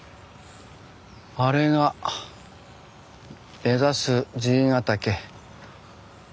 あれが目指す爺ヶ岳。